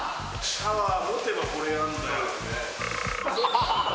シャワー持てばこれやるんだからね。